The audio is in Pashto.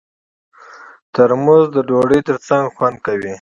ترموز د ډوډۍ ترڅنګ خوند ورکوي.